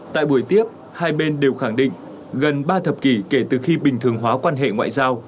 tại buổi tiếp hai bên đều khẳng định gần ba thập kỷ kể từ khi bình thường hóa quan hệ ngoại giao